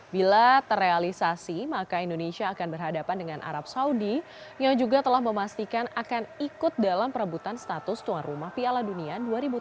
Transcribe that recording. bila terrealisasi maka indonesia akan berhadapan dengan arab saudi yang juga telah memastikan akan ikut dalam perebutan status tuan rumah piala dunia dua ribu tujuh belas